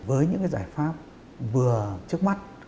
với những giải pháp vừa trước mắt